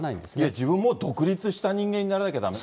自分も独立した人間にならなきゃだめって？